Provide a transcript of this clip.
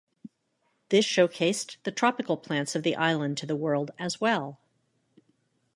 This showcased the tropical plants of the island to the world as well.